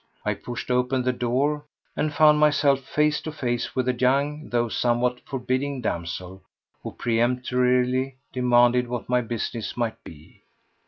I pushed open the door, and found myself face to face with a young though somewhat forbidding damsel, who peremptorily demanded what my business might be.